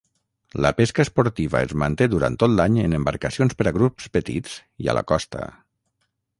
La pesca esportiva es manté durant tot l'any en embarcacions per a grups petits i a la costa.